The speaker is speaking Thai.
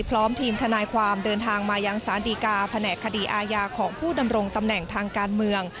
พร้อมทีมทนายความเดินทางมายังสารดีกาแผนกคดีอาญาของผู้ดำรงตำแหน่งทางการเมือง